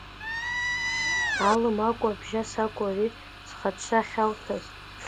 Алым акәу, абжьас акәу, ари зхаҿсахьа ауҭаз?